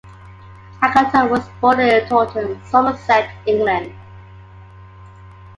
Agutter was born in Taunton, Somerset, England.